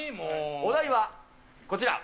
お題はこちら。